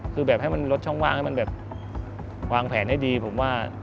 คือแบบให้มันลดช่องว่างให้มันแบบวางแผนให้ดีผมว่า